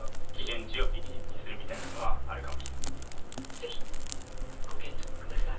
ぜひご検討下さい。